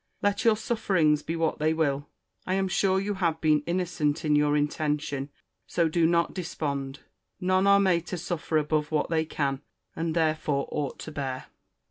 Let your sufferings be what they will, I am sure you have been innocent in your intention. So do not despond. None are made to suffer above what they can, and therefore ought to bear.